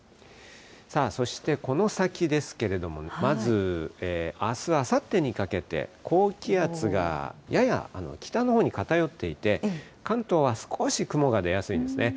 さあ、そしてこの先ですけれども、まずあす、あさってにかけて、高気圧がやや北のほうに偏っていて、関東は少し雲が出やすいですね。